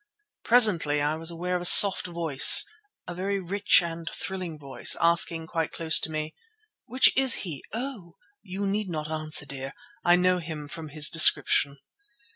Presently I was aware of a soft voice—a very rich and thrilling voice—asking quite close to me: "Which is he? Oh! you need not answer, dear. I know him from the description."